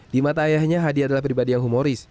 di mata ayahnya hadi adalah pribadi yang humoris